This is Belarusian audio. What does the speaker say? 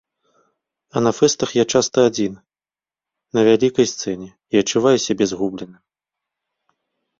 А на фэстах я часта адзін, на вялікай сцэне, і адчуваю сябе згубленым.